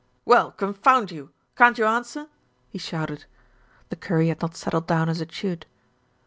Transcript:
"Well, confound you! Can't you answer?" he shouted. The curry had not settled down as it should.